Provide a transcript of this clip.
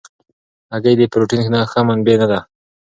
هګۍ د پروټین ښه منبع نه ده.